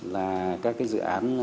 là các cái dự án